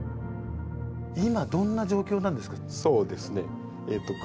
今どんな状況なんですか？